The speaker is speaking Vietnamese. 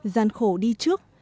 gian khổ đi trước